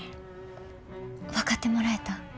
分かってもらえた？